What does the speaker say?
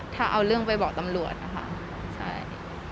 ถ้าเอาเรื่องไปบอกตำรวจนะคะใช่